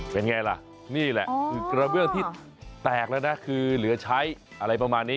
เป็นไงล่ะนี่แหละคือกระเบื้องที่แตกแล้วนะคือเหลือใช้อะไรประมาณนี้